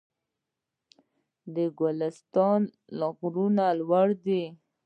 د ګلستان غرونه لوړ دي